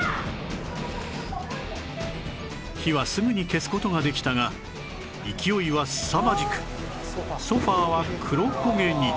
火はすぐに消す事ができたが勢いはすさまじくソファは黒焦げに